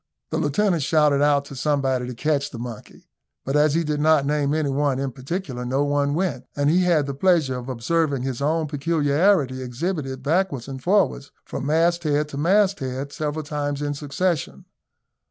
The lieutenant shouted out to somebody to catch the monkey, but as he did not name any one in particular, no one went, and he had the pleasure of observing his own peculiarity exhibited backwards and forwards, from mast head to mast head, several times in succession.